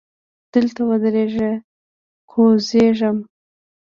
دلته ودریږه! کوزیږم.